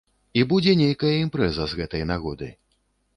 І будзе нейкая імпрэза з гэтай нагоды.